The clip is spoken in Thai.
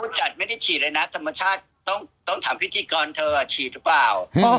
ผู้จัดไม่ได้ฉีดเลยนะธรรมชาติต้องต้องถามพี่สิตาก่อนเธอฉีดหรือเปล่า